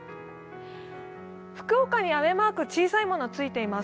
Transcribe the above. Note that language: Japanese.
福岡に雨マーク、小さいものがついています。